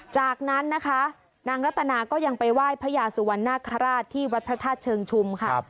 จากนั้นนะคะนางรัตนาก็ยังไปไหว้พระยาสุวรรณนาคาราชที่วัดพระธาตุเชิงชุมค่ะ